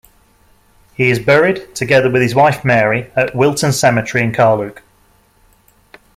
He is buried, together with his wife Mary, at Wilton Cemetery, in Carluke.